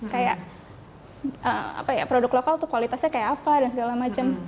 kayak produk lokal tuh kualitasnya kayak apa dan segala macam